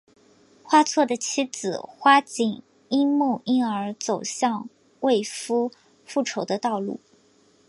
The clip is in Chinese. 花错的妻子花景因梦因而走向为夫复仇的道路。